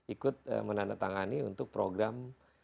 ikut menandatangani untuk program